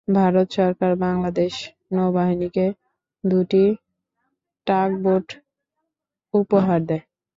ভারত সরকার বাংলাদেশ নৌবাহিনীকে দুটি টাগবোট উপহার দেয়।